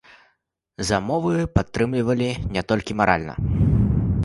Замовы падтрымлівалі не толькі маральна.